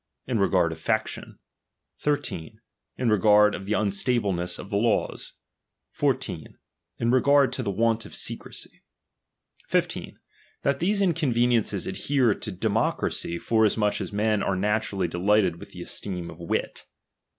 In regard of faction : 13. In regard of the unstableness of the laws: 14. In regard of the want of secrecy. 15. That these inconveniences adhere to demo cracy, forasmuch as men are naturally delighted with the esteem of wit.